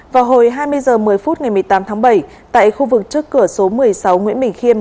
vào hồi hai mươi h một mươi phút ngày một mươi tám tháng bảy tại khu vực trước cửa số một mươi sáu nguyễn bình khiêm